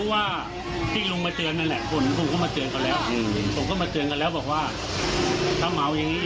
ไม่เคย